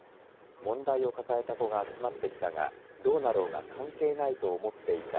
問題を抱えた子が集まってきたがどうなろうが関係ないと思っていた。